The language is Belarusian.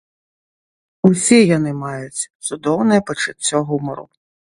Усе яны маюць цудоўнае пачуццё гумару.